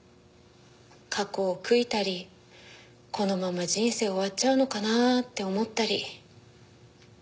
過去を悔いたりこのまま人生終わっちゃうのかなって思ったり。